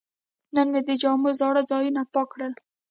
نن مې د جامو زاړه ځایونه پاک کړل.